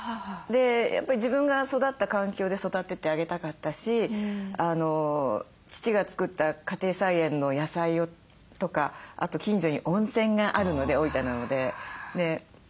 やっぱり自分が育った環境で育ててあげたかったし父が作った家庭菜園の野菜とかあと近所に温泉があるので大分なので。